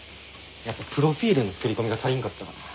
やっぱプロフィールの作り込みが足りんかったかなぁ。